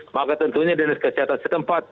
maka tentunya dinas kesehatan setempat